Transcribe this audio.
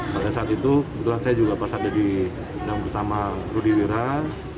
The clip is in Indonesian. pada saat itu kebetulan saya juga pasal sedang bersama rudy wiradi